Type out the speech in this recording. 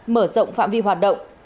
mở rộng phạm vi hoạt động